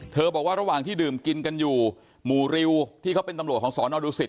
บอกว่าระหว่างที่ดื่มกินกันอยู่หมู่ริวที่เขาเป็นตำรวจของสอนอดูสิต